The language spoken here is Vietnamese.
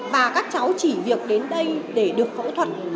và các cháu chỉ việc đến đây để được phẫu thuật